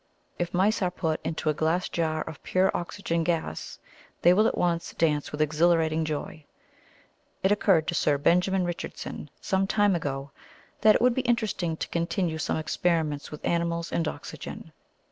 If mice are put into a glass jar of pure oxygen gas, they will at once dance with exhilarating joy. It occurred to Sir Benjamin Richardson, some time ago, that it would be interesting to continue some experiments with animals and oxygen.